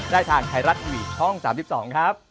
ได้ทางไทยรัฐทีวีช่อง๓๒ครับ